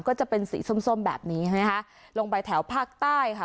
ก็จะเป็นสีส้มส้มแบบนี้ใช่ไหมคะลงไปแถวภาคใต้ค่ะ